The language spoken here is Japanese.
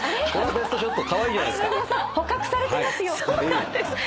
捕獲されてますよ！